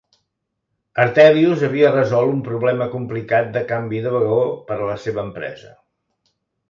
Hartelius havia resolt un problema complicat de canvi de vagó per a la seva empresa.